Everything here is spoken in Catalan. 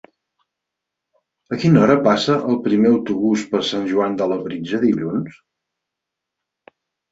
A quina hora passa el primer autobús per Sant Joan de Labritja dilluns?